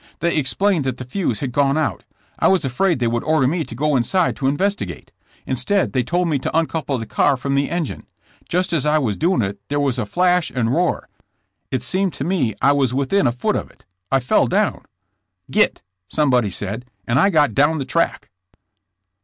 They explained that the fuse had gone out. I was afraid they would order me to go inside to investi gate. Instead they told me to uncouple the car from the engine. Just as I was doing it there was a flash and roar. It seemed to me I was within a foot of it! I fell down. " 'Git!' somebody said, and I got down the track!"